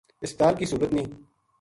ہسپتال کی سہولت نیہہ